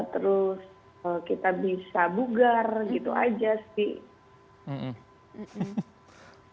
terus kita bisa bugar gitu aja sih